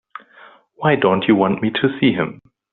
Why don't you want me to see him?